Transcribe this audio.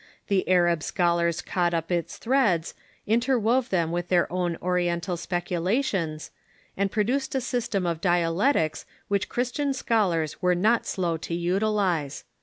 The Arab scholars caught up its threads, interwove them with their own Oriental specula tions, and produced a system of dialectics which Christian scholars were not slow to utilize.